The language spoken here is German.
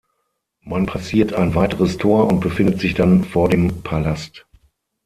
Man passiert ein weiteres Tor und befindet sich dann vor dem Palast.